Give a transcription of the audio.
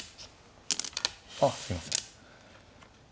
あっすいません。